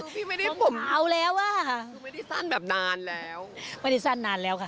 พี่ไม่ได้สั่นแบบนานแล้วไม่ได้สั่นนานแล้วค่ะ